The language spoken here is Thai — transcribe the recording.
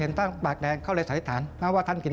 อ๋อออกไปอีก